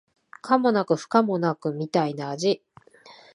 可もなく不可もなくみたいな味